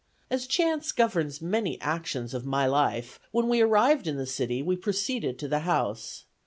As chance governs many actions of my life, when we arrived in the city, we proceeded to the house.